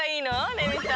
レミさん。